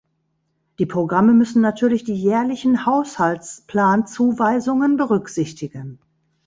Die Programme müssen natürlich die jährlichen Haushaltsplanzuweisungen berücksichtigen.